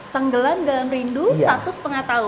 tenggelam dalam rindu satu setengah tahun